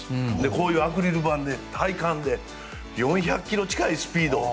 こういうアクリル板で体感で４００ｋｍ近いスピード。